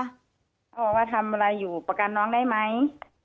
เขาบอกว่าทำอะไรอยู่ประกันน้องได้ไหม